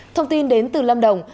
thông tin đến từ lâm đồng